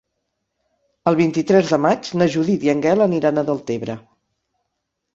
El vint-i-tres de maig na Judit i en Gaël aniran a Deltebre.